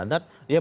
ya melalui pilihan